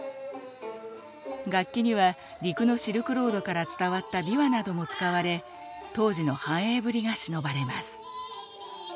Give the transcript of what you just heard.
楽器には陸のシルクロードから伝わった琵琶なども使われ当時の繁栄ぶりがしのばれます。